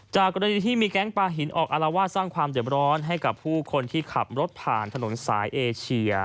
กรณีที่มีแก๊งปลาหินออกอารวาสสร้างความเด็บร้อนให้กับผู้คนที่ขับรถผ่านถนนสายเอเชีย